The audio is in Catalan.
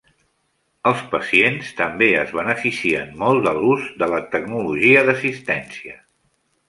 Els pacients també es beneficien molt de l'ús de la tecnologia d'assistència.